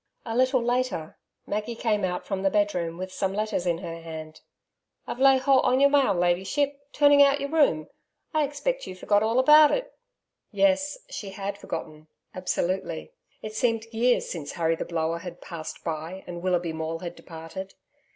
A little later Maggie came out from the bedroom with some letters in her hand. 'I've laid holt on your mail, Ladyship, turning out your room. I expect you forgot all about it.' Yes, she had forgotten, absolutely; it seemed years since Harry the Blower had passed by and Willoughby Maule had departed.